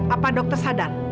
apa dokter sadar